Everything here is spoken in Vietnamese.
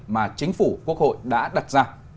mà chính phủ quốc hội đã đặt ra